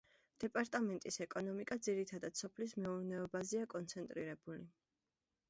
დეპარტამენტის ეკონომიკა ძირითადად სოფლის მეურნეობაზეა კონცენტრირებული.